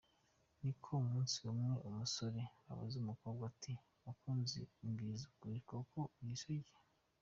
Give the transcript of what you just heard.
Ni uko umusi umwe umusore abaza umukobwa ati “mukunzi mbwiza ukuri, koko uri isugi ?”.